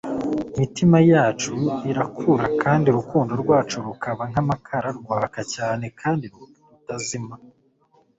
imitima yacu irakura kandi urukundo rwacu rukaba nk'amakara, rwaka cyane kandi rutazima. ”